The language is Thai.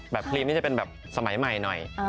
ครีมนี่จะเป็นแบบสมัยใหม่หน่อย